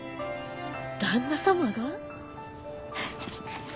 旦那様が？